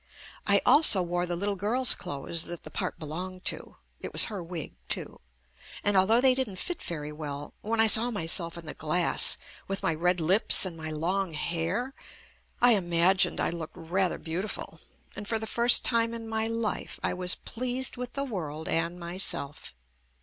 I also wore the little girl's clothes that the part belonged to (it was her wig too), and although they didnt fit very well, when I saw JUST ME myself in the glass with my red lips and my long hair, I imagined I looked rather beauti ful; and for the first time in my life I was pleased with the world and myself.